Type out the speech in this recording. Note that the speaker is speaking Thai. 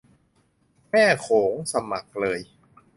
แม่โขงสมัครเลย